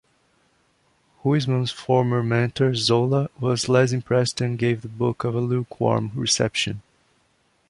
Huysmans's former mentor, Zola, was less impressed and gave the book a lukewarm reception.